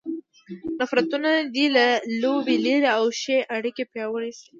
نفرتونه دې له لوبې لیرې او ښې اړیکې پیاوړې شي.